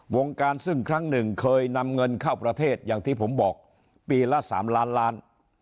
วงการซึ่งครั้งหนึ่งเคยนำเงินเข้าประเทศอย่างที่ผมบอกปีละ๓ล้านล้าน